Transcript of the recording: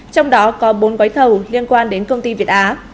trong đó có bốn gói thầu liên quan đến công ty việt á